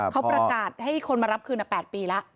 เขาประกาศให้คนมารับคืน๘ปีแล้ว